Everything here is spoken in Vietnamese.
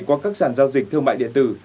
qua các sản giao dịch thương mại điện tử